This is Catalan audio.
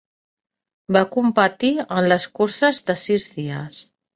Va competir en les curses de sis dies.